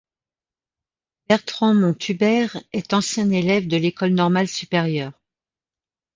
Bertrand Monthubert est ancien élève de l’École normale supérieure.